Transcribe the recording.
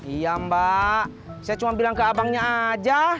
iya mbak saya cuma bilang ke abangnya aja